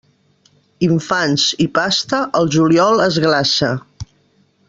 Infants i pasta, el juliol es glaça.